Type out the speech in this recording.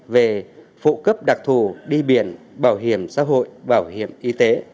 về phụ cấp đặc thù đi biển bảo hiểm xã hội bảo hiểm y tế